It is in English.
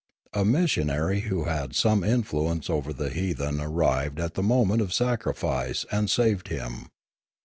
A missionary who had some influence over the heathen arrived at the moment of sacrifice and saved him.